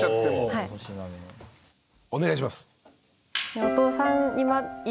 お願いします。